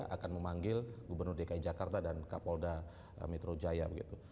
akan memanggil gubernur dki jakarta dan kapolda metro jaya begitu